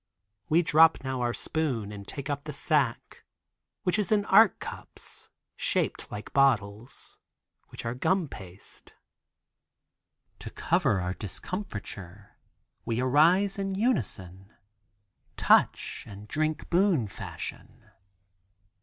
We drop now our spoon and take up the sack, which is in Arc cups shaped like bottles, which are gum paste. To cover our discomfiture, we arise in unison, touch and drink boon fashion.